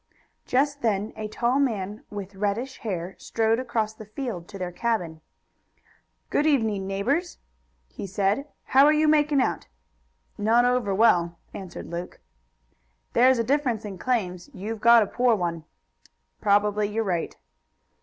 Just then a tall man with reddish hair strode across the field to their cabin. "Good evening, neighbors," he said. "How are you making out?" "Not over well," answered Luke. "There's a difference in claims. You've got a poor one." "Probably you are right."